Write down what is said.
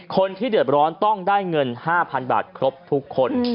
คนที่เดือดร้อนต้องได้เงิน๕๐๐๐บาทครบทุกคน